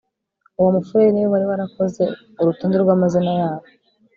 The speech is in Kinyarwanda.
uwo mufurere ni we wari warakoze urutonde rw'amazina yabo